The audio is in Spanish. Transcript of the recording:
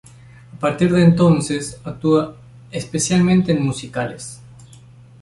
A partir de entonces actúa especialmente en musicales.